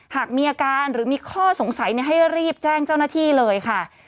หากมีอาการหรือมีข้อสงสัยให้รีบแจ้งเจ้าหน้าที่เลยค่ะ